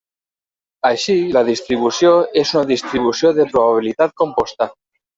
Així, la distribució és una distribució de probabilitat composta.